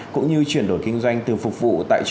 cũng như chuyển đổi kinh doanh từ phục vụ